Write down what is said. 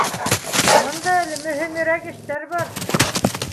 Бында әле мөпимерәк эштәр бар